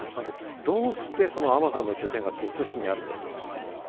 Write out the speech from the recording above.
どうして、そのアマゾンの拠点が鳥栖市にあるんですか。